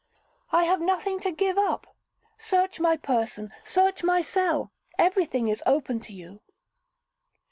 'I have nothing to give up: Search my person—search my cell—every thing is open to you.'